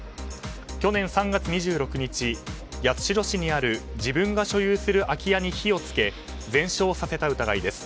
去年３月２６日、八代市にある自分が所有する空き家に火を付け全焼させた疑いです。